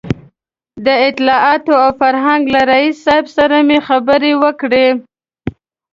د اطلاعاتو او فرهنګ له رییس صاحب سره مې خبرې وکړې.